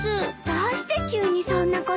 どうして急にそんなこと。